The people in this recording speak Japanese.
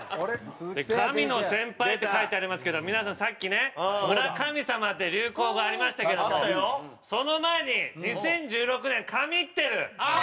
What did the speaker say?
「神の先輩」って書いてありますけど皆さんさっきね「村神様」って流行語ありましたけどもその前に２０１６年「神ってる」。